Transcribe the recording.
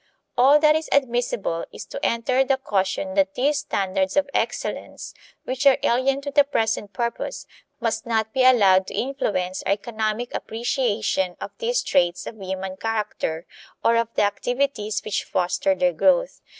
All that is admissible is to enter the caution that these standards of excellence, which are alien to the present purpose, must not be allowed to influence our economic appreciation of these traits of human character or of the activities which foster their growth.